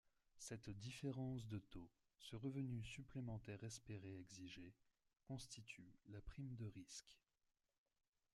Cette différence de taux, ce revenu supplémentaire espéré exigé, constitue la prime de risque.